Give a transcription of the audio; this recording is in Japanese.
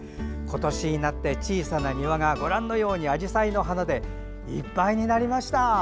今年になって小さな庭がご覧のようにあじさいの花でいっぱいになりました。